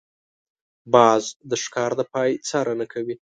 باز د ښکار د پای څارنه کوي